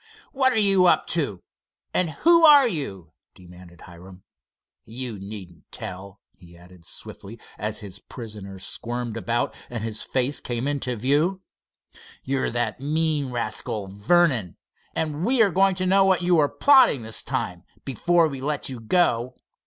"What are you up to, and who are you?" demanded Hiram. "You needn't tell," he added swiftly, as his prisoner squirmed about and his face came into view. "You're that mean rascal Vernon, and we're going to know what you are plotting this time before we let you go.